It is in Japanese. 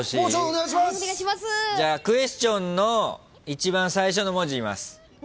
じゃクエスチョンの一番最初の文字言います。